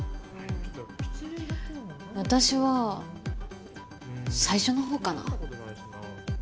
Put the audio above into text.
私は最初のほうかな？